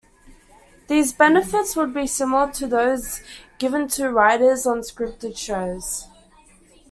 These benefits would be similar to those given to writers on scripted shows.